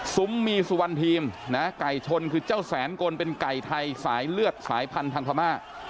มีสุวรรณทีมนะไก่ชนคือเจ้าแสนกลเป็นไก่ไทยสายเลือดสายพันธุ์ทางพม่า